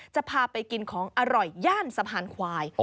จะพาไปกินของอร่อยย่านสะพานควาย